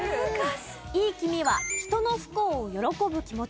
いい気味は人の不幸を喜ぶ気持ち。